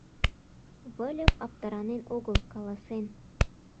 Выльып аптыранен огыл, каласен: